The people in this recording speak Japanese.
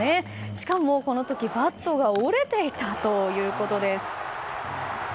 しかもこの時、バットが折れていたということです。